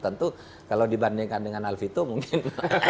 tentu kalau dibandingkan dengan alfito mungkin